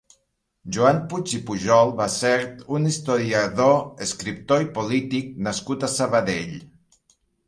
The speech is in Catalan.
Joan Puig i Pujol va ser un historiador, escriptor i polític nascut a Sabadell.